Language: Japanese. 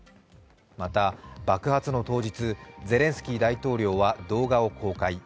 また爆発の当日、ゼレンスキー大統領は動画を公開。